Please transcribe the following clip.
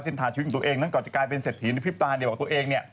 สินทางชีวิตของตัวเองนั้นก่อนจะกลายเป็นเศรษฐีในพฤตาหารเดียวกับตัวเอง